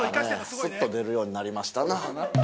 すっと出るようになりましたな。